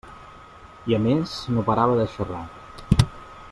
I, a més, no parava de xerrar.